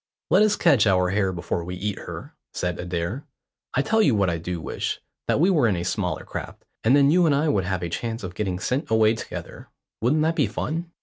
"Let us catch our hare before we eat her," said Adair. "I tell you what I do wish; that we were in a smaller craft, and then you and I would have a chance of getting sent away together. Wouldn't that be fun?"